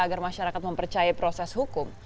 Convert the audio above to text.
agar masyarakat mempercayai proses hukum